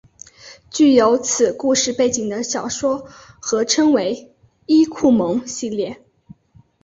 具有此故事背景的小说合称为伊库盟系列。